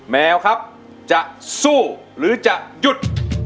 แมวครับจะสู้หรือจะหยุด